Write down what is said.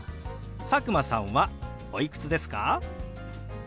佐久間さんはおいくつですか？